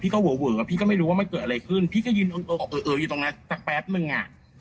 พี่ก็เวอร์พี่ก็ไม่รู้ว่าไม่เกิดอะไรขึ้นพี่ก็ยืนอยู่ตรงนั้นสักแป๊บนึง